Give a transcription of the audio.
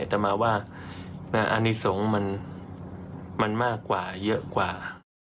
แต่มาว่าอนิสงฆ์มันมากกว่าเยอะกว่า